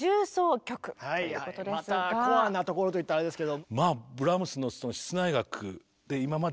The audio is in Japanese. またコアなところといったらあれですけど。